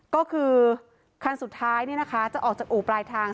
ก็คือคันสุดท้ายจะออกจากอู่ปลายทาง